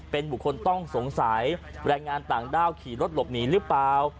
เป็นบุคคลต้องสงสัยแรงงานต่างด้าวขี่รถหลบหนีหรือเปล่า